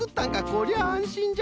こりゃああんしんじゃ。